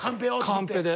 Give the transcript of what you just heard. カンペで。